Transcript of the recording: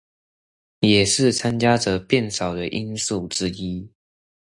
也是參加者變少的因素之一